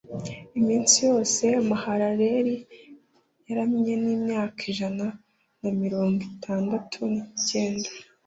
iminsi yose mahalaleli yaramye ni imyaka ijana na mirongo itandatu ni cyenda